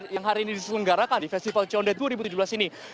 yang hari ini diselenggarakan di festival condet dua ribu tujuh belas ini